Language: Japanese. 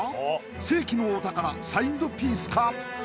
世紀のお宝サインドピースか？